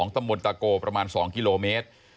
ตำบลตะโกประมาณ๒กิโลเมตร